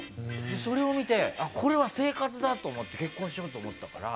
それを見て、これは生活だ！と思って、結婚しようと思ったから。